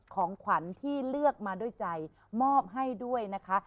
ของขวัญที่เลือกมาด้วยใจมอบให้ด้วยนะคะ